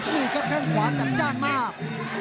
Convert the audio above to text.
นี่ก็แข้งขวาจัดจ้างมาก